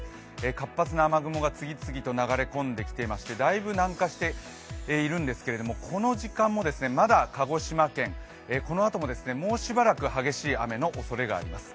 活発な雨雲が次々と流れ込んできていまして、だいぶ南下しているんですけれども、この時間もまだ鹿児島県、このあとももうしばらく激しい雨のおそれがあります。